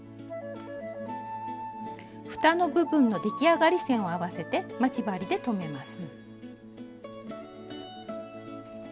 ふたの部分の出来上がり線を合わせて待ち針で留めます。